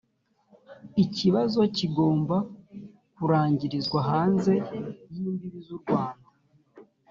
ikibazo kigomba kurangirizwa hanze y’imbibi z’u rwanda